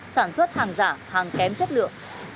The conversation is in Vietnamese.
sản xuất hàng giả hàng kém chất lượng